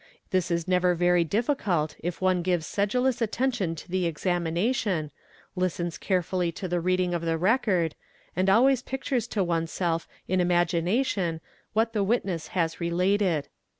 This is never very difficult if one gives sedulous attention to the examination, listens carefully to the reading of the record, and always pictures to oneself in imagination what the vitness has related.